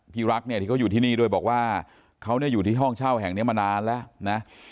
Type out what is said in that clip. พี่รักเนี่ยที่เขาอยู่ที่นี่ด้วยบอกว่าเขาอยู่ที่ห้องเช่าแห่งนี้มานานแล้วนะ